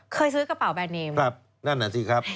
ซื้อกระเป๋าแบรนเนมครับนั่นน่ะสิครับ